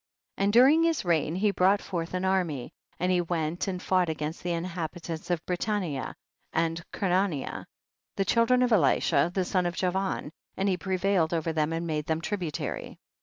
29. And during his reign he brought forth an army, and he went and fought against the inhabitants of Britannia and Kernania,* tlie children of Elisha son of Javan, and lie prevailed over them and made them tributary.